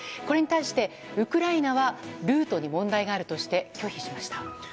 これに対してウクライナはルートに問題があるとして拒否しました。